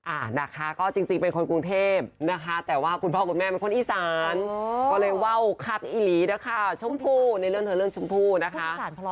อ่านะคะก็จริงเป็นคนกรุงเทพนะคะแต่ว่าคุณพ่อคุณแม่เป็นคนอีสานก็เลยว่าวคับอีหลีนะคะชมพูในเรื่องเธอเรื่องชมพู่นะคะ